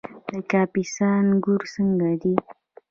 د کاپیسا انګور څنګه دي؟